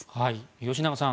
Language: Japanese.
吉永さん